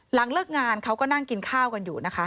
หลังเลิกงานเขาก็นั่งกินข้าวกันอยู่นะคะ